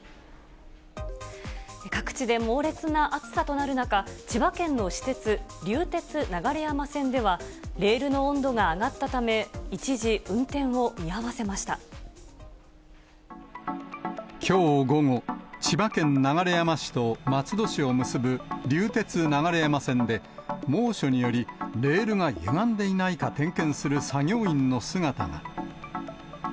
各地で猛烈な暑さとなる中、千葉県の私鉄、流鉄流山線ではレールの温度が上がったため、一時、運転を見合わきょう午後、千葉県流山市と松戸市を結ぶ流鉄流山線で、猛暑により、レールがゆがんでいないか点検する作業員の姿が。